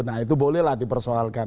nah itu bolehlah dipersoalkan